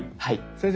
先生